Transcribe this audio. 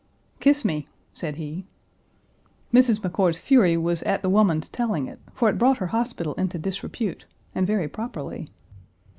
"Kiss me!" said he. Mrs. McCord's fury was "at the woman's telling it," for it brought her hospital into disrepute, and very properly.